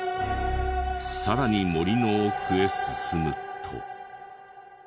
さらに森の奥へ進むと。